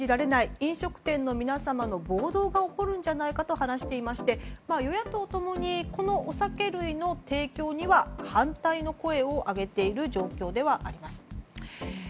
飲食店の皆様の暴動が起こるんじゃないかと話していまして与野党共にお酒類の提供については反対の声を上げている状況ではあります。